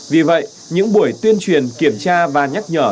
vì vậy những buổi tuyên truyền kiểm tra và nhắc nhở